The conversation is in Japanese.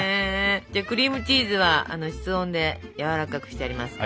クリームチーズは室温でやわらかくしてありますから。